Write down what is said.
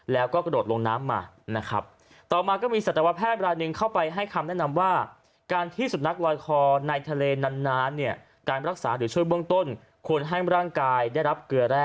แล้วก็กระโดดลงน้ำมานะครับ